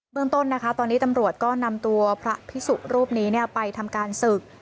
เมืองต้นนะคะตอนนี้ตำรวจก็นำตัวพระพิสุรูปนี้ไปทำการศึก